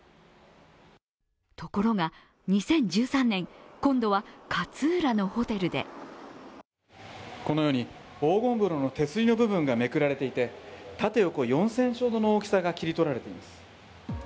ところが２０１３年、今度は勝浦のホテルでこのように黄金風呂の手すりの部分がめくられていて縦横４ｃｍほどの大きさが切り取られています。